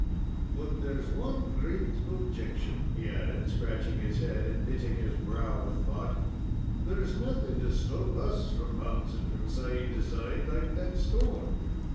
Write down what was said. "But there's one great objection," he added, scratching his head and knitting his brow with thought. "There's nothing to stop us from bouncing from side to side like that stone.